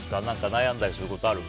悩んだりすることある？